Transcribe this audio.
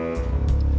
tidak ada apa apa